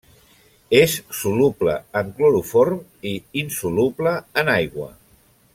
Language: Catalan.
És soluble en cloroform i insoluble en aigua.